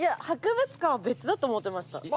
博物館は別だと思ってました。